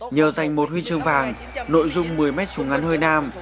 nhờ giành một huy chương vàng nội dung một mươi m súng ngắn hơi nam